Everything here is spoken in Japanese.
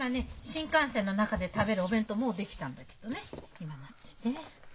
新幹線の中で食べるお弁当もう出来たんだけどね待ってね。